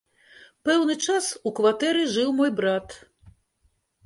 Пэўны час у кватэры жыў мой брат.